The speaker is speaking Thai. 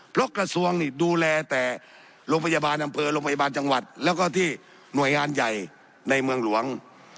เพราะกระทรวงนี่ดูแลแต่โรงพยาบาลอำเภอโรงพยาบาลจังหวัดแล้วก็ที่หน่วยงานใหญ่ในเมืองหลวง